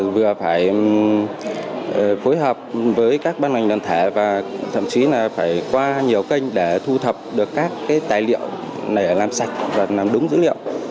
vừa phải phối hợp với các ban ngành đoàn thể và thậm chí là phải qua nhiều kênh để thu thập được các tài liệu để làm sạch và làm đúng dữ liệu